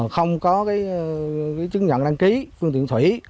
không có chứng nhận đăng ký phương tiện thủy